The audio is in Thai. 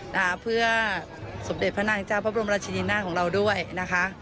นะคะเพื่อสมเด็จพระนางเจ้าพระบรมราชินีนาฏของเราด้วยนะคะ